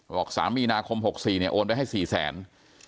บอก๓มีนาคม๖๔เนี่ยโอนไปให้๔๐๐๐๐๐บาท